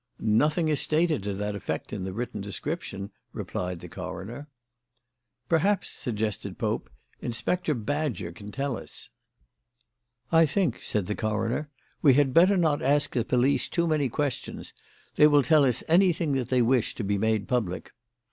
"Nothing is stated to that effect in the written description," replied the coroner. "Perhaps," suggested Pope, "Inspector Badger can tell us." "I think," said the coroner, "we had better not ask the police too many questions. They will tell us anything that they wish to be made public."